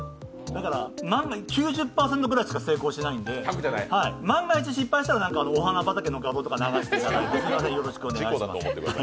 だから、９０％ぐらいしか成功しないので万が一失敗したらお花畑の画像とか流していただいて。